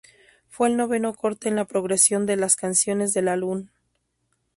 Fue el noveno corte en la progresión de las canciones del álbum.